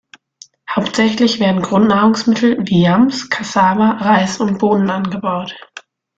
Hauptsächlich werden Grundnahrungsmittel wie Yams, Kassava, Reis und Bohnen angebaut.